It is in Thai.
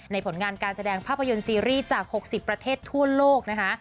ผลงานการแสดงภาพยนตร์ซีรีส์จาก๖๐ประเทศทั่วโลกนะคะ